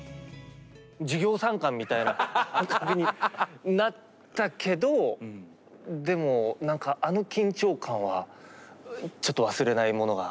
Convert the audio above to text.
授業参観みたいな感じになったけどでも何かあの緊張感はちょっと忘れないものがありますね。